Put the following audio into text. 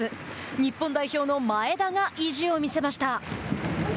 日本代表の前田が意地を見せました。